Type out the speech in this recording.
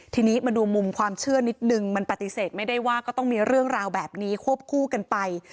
ทีนี้มาดูมุมความเชื่อนิดนึงมันปฏิเสธไม่ได้ว่าก็ต้องมีเรื่องราวแบบนี้ควบคู่กันไป